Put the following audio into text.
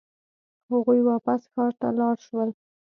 هغوی واپس ښار ته لاړ شول.